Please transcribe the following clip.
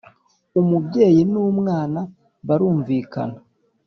Umubyeyi n ‘umwana barumvikana.